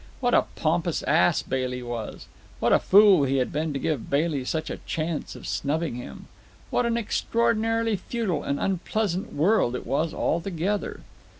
What a pompous ass Bailey was! What a fool he had been to give Bailey such a chance of snubbing him! What an extraordinarily futile and unpleasant world it was altogether!